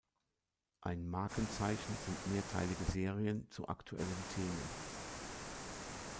Ein Markenzeichen sind mehrteilige Serien zu aktuellen Themen.